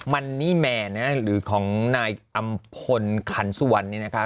มันนี่แมนหรือของนายอำพลขันสุวรรณนี่นะคะ